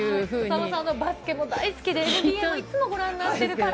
さんまさん、バスケも大好きで、ＮＢＡもいつもご覧になってるから。